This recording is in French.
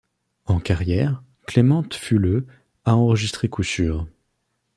En carrière, Clemente fut le à enregistrer coups sûrs.